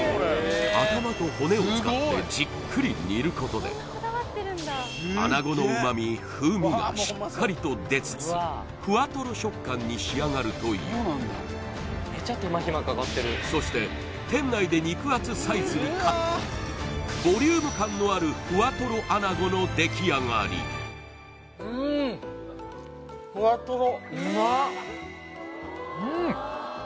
頭と骨を使ってじっくり煮ることであなごの旨味風味がしっかりと出つつふわとろ食感に仕上がるというそして店内でボリューム感のあるふわとろあなごの出来上がりうんうん・